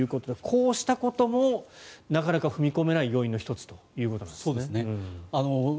こうしたこともなかなか踏み込めない要因の１つということなんですね。